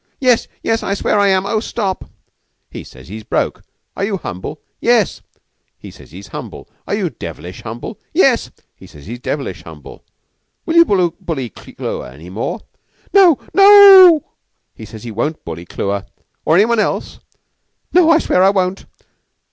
"Yes, yes! I swear I am. Oh, stop!" "He says he is broke. Are you humble?" "Yes!" "He says he is humble. Are you devilish humble?" "Yes!" "He says he is devilish humble. Will you bully Clewer any more?" "No. No ooh!" "He says he won't bully Clewer. Or any one else?" "No. I swear I won't."